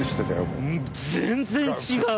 全然違う！